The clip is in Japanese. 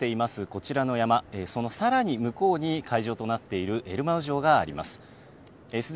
こちらの山、そのさらに向こうに会場となっているエルマウ城があります。